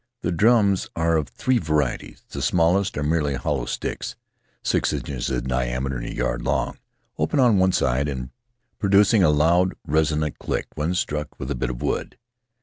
The drums are of three varieties. The smallest are merely hollow sticks — six inches in diameter and a yard long — open on one side, and producing a loud, resonant click when struck with a bit of wood.